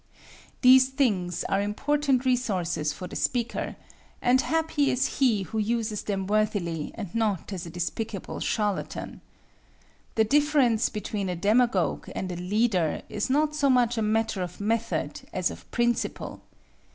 These things are important resources for the speaker, and happy is he who uses them worthily and not as a despicable charlatan. The difference between a demagogue and a leader is not so much a matter of method as of principle.